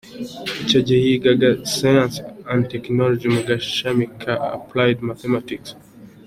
Icyo gihe yigaga Sciences and technology mu gashami ka Applied Mathematics.